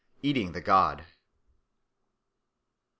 L. Eating the God 1.